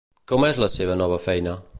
Com és la seva nova feina?